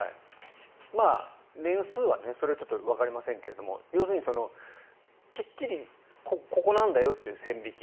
年数はそれはちょっとわかりませんけど要するにきっちりここなんだよという線引き。